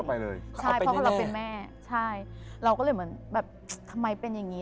ใช่เพราะเราเป็นแม่ใช่เราก็เลยเหมือนแบบทำไมเป็นอย่างนี้